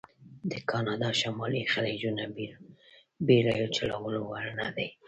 د کانادا شمالي خلیجونه بېړیو چلولو وړ نه دي.